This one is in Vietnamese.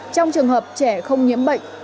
trong trường hợp trẻ không nhiễm bệnh